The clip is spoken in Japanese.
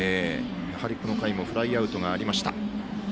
やはり、この回もフライアウトがありました。